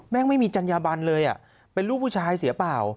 ไม่มีจัญญาบันเลยเป็นลูกผู้ชายเสียเปล่า